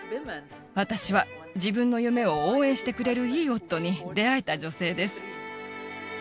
私は自分の夢を応援してくれる、いい夫に出会えた女性です。